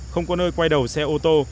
không có nơi quay đầu xe ô tô